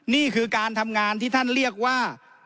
นี่คือการทำงานที่ท่านเรียกว่า